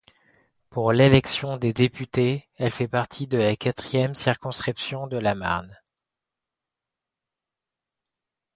Pour l'élection des députés, elle fait partie de la quatrième circonscription de la Marne.